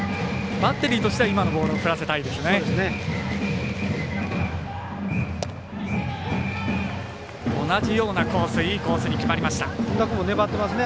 バッテリーとしては今のボールを振らせたいですね。